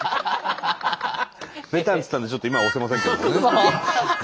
「ベタン」っつったんでちょっと今押せませんけどもね。